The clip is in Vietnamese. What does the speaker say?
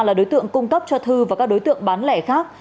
là đối tượng cung cấp cho thư và các đối tượng bán lẻ khác